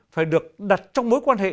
phải được đặt trong mối quan hệ